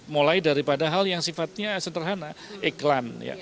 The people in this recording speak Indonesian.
mulai daripada hal yang sifatnya sederhana iklan